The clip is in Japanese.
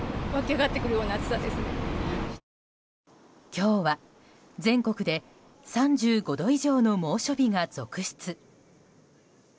今日は全国で３５度以上の猛暑日が続出。